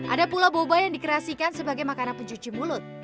ada pula boba yang dikreasikan sebagai makanan pencuci mulut